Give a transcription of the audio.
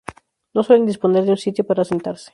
No suelen disponer de un sitio para sentarse.